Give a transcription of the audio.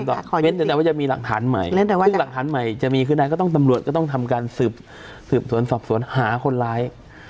ก็เน้นแสดงว่าจะมีหลักฐานใหม่ซึ่งหลักฐานใหม่จะมีคือนายก็ต้องตำรวจก็ต้องทำการสืบสวนสอบสวนหาคนร้าย